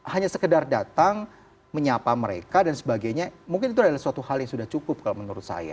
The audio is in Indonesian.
hanya sekedar datang menyapa mereka dan sebagainya mungkin itu adalah suatu hal yang sudah cukup kalau menurut saya